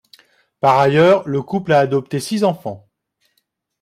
Par ailleurs, le couple a adopté six enfants.